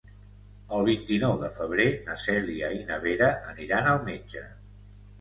El vint-i-nou de febrer na Cèlia i na Vera aniran al metge.